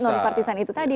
nonpartisan itu tadi